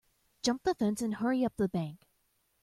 Jump the fence and hurry up the bank.